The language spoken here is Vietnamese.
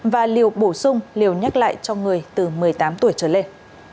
và liều bổ sung liều nhắc lại cho người từ một mươi tám tuổi trở lên